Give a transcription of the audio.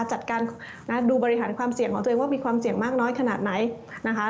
จัดการดูบริหารความเสี่ยงของตัวเองว่ามีความเสี่ยงมากน้อยขนาดไหนนะคะ